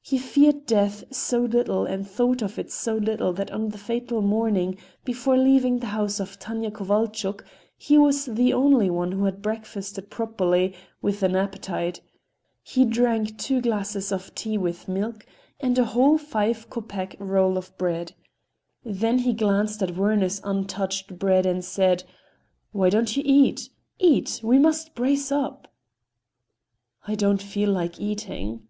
He feared death so little and thought of it so little that on the fatal morning, before leaving the house of Tanya Kovalchuk, he was the only one who had breakfasted properly, with an appetite. He drank two glasses of tea with milk, and a whole five copeck roll of bread. Then he glanced at Werner's untouched bread and said: "Why don't you eat? Eat. We must brace up." "I don't feel like eating."